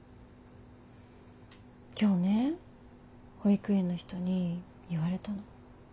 今日ね保育園の人に言われたの。